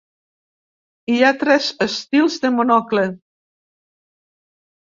Hi ha tres estils de monocle.